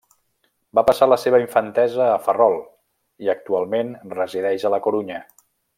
Va passar la seva infantesa a Ferrol i actualment resideix a La Corunya.